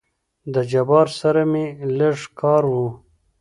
د جبار سره مې لېږ کار وو.